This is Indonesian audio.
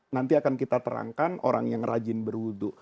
nanti akan kita terangkan orang yang rajin berwudhu